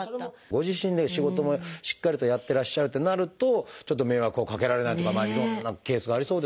ご自身で仕事もしっかりとやってらっしゃるってなるとちょっと迷惑をかけられないとかいろんなケースがありそうですね。